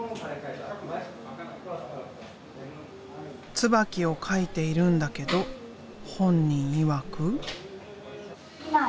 ツバキを描いているんだけど本人いわく。